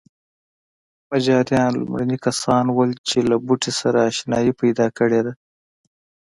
مجاریان لومړني کسان وو چې له بوټي سره اشنايي پیدا کړې.